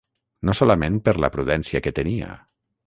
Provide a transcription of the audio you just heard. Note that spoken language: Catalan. No solament per la prudència que tenia